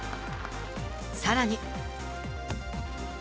さらに。